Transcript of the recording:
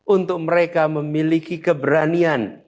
untuk mereka memiliki keberanian